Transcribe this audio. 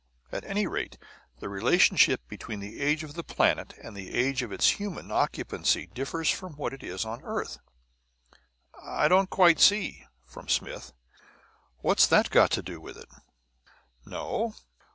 At any rate, the relationship between the age of the planet and the age of its human occupancy differs from what it is on the earth." "I don't quite see," from Smith, "what that's got to do with it." "No?